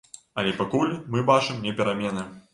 Але пакуль мы бачым не перамены.